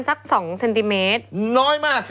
แล้วเขาก็ใช้วิธีการเหมือนกับในการ์ตูน